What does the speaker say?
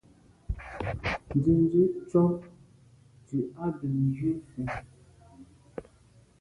Nzenze tshob ndù à bèn jù fen.